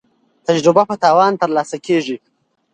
تجربه په تاوان ترلاسه کیږي.